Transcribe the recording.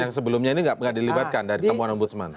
yang sebelumnya ini nggak dilibatkan dari temuan ombudsman